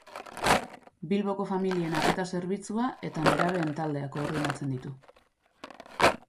Bilboko familien arreta zerbitzua eta nerabeen taldea koordinatzen ditu.